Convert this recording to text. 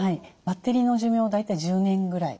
バッテリーの寿命は大体１０年ぐらい。